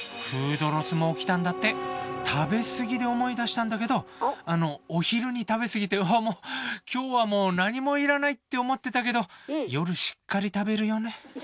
「食べ過ぎ」で思い出したんだけどあのお昼に食べ過ぎて「うわもう今日はもう何も要らない」って思ってたけど夜しっかり食べるよね。